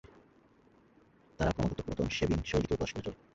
তারা ক্রমাগত "পুরাতন" শেভিং শৈলীকে উপহাস করে চলে।